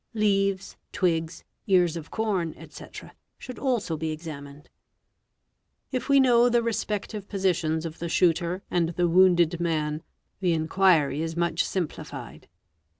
Leaves, twigs, ears of corn, etc., should also be examined. ' If we know the respective positions of the shooter and the wounded EB ER BOT AOE lan, the inquiry is much simplified.